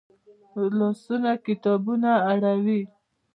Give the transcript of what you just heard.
لاسونه کتابونه اړوي